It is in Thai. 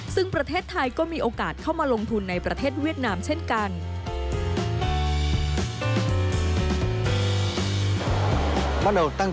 ซึ่งประเทศไทยก็มีโอกาสเข้ามาลงทุนในประเทศเวียดนามเช่นกัน